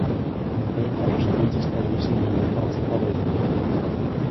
Андрэй кажа, што людзі ставіліся да яго працы па-рознаму.